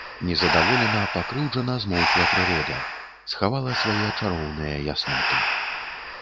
Нездаволена, пакрыўджана змоўкла прырода, схавала свае чароўныя ясноты.